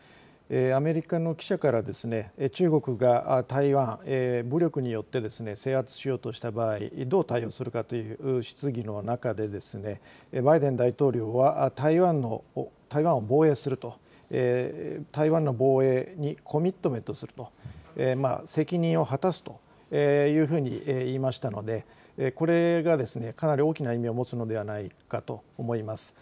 アメリカの記者から、中国が台湾、武力によって制圧しようとした場合、どう対応するかという質疑の中で、バイデン大統領は台湾を防衛すると、台湾の防衛にコミットメントすると、責任を果たすというふうに言いましたので、これがかなり大きな意味を持つのではないかと思います。